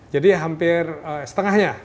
jadi hampir setengahnya